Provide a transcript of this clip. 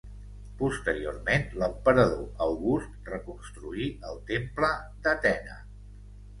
Posteriorment l'emperador August reconstruí el temple d'Atena.